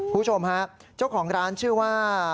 คุณผู้ชมฮะเจ้าของร้านชื่อว่า